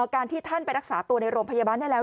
การที่ท่านไปรักษาตัวในโรงพยาบาลได้แล้ว